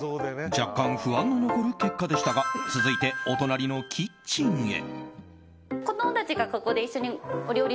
若干、不安の残る結果でしたが続いてお隣のキッチンへ。